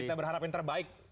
itu kita berharapin terbaik